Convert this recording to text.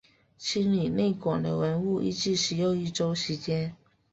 清理内棺的文物预计需要一周时间。